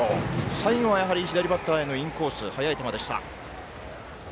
最後は左バッターへのインコース速い球でした。